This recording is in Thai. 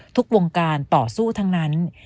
ทุกวงการต่อสู้ทั้งนั้น